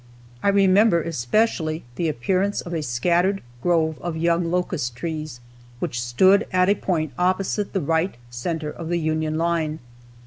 I remember especially the appearance of a scattered grove of young locust trees which stood at a point opposite the right center of the Union line.